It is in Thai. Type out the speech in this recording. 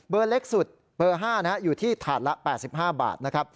เบอร์เล็กสุดเบอร์๕อยู่ที่ถาดละ๘๕บาท